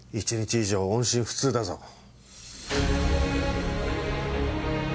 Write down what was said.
１日以上音信不通だぞ。